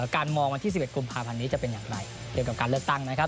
การมองวันที่๑๑กุมภาพันธ์นี้จะเป็นอย่างไรเกี่ยวกับการเลือกตั้งนะครับ